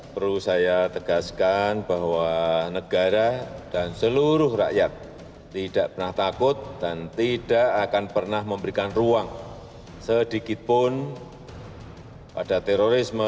perlu saya tegaskan bahwa negara dan seluruh rakyat tidak pernah takut dan tidak akan pernah memberikan ruang sedikitpun pada terorisme